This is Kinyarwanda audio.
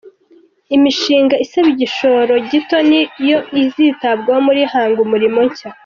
Imishinga isaba igishoro gito ni yo izitabwaho muri Hanga Umurimo ‘Nshya’